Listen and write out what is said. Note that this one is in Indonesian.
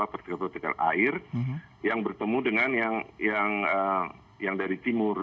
partikel partikel air yang bertemu dengan yang dari timur